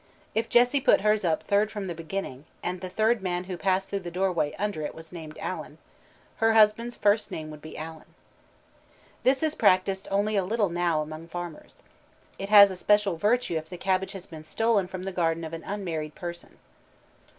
If Jessie put hers up third from the beginning, and the third man who passed through the doorway under it was named Alan, her husband's first name would be Alan. This is practised only a little now among farmers. It has special virtue if the cabbage has been stolen from the garden of an unmarried person.